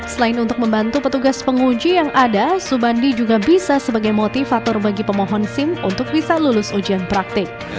selain untuk membantu petugas penguji yang ada subandi juga bisa sebagai motivator bagi pemohon sim untuk bisa lulus ujian praktik